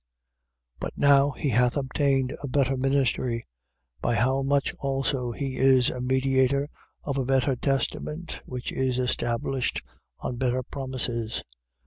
But now he hath obtained a better ministry, by how much also he is a mediator of a better testament which is established on better promises.